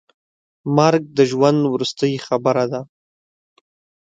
مرګ د ژوند وروستۍ خبره ده.